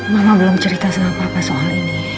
mama belum cerita sama papa soal ini